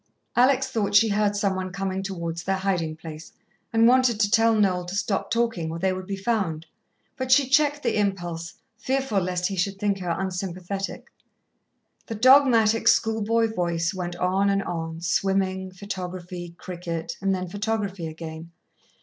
Alex thought she heard some one coming towards their hiding place, and wanted to tell Noel to stop talking, or they would be found, but she checked the impulse, fearful lest he should think her unsympathetic. The dogmatic schoolboy voice went on and on swimming, photography, cricket, and then photography again.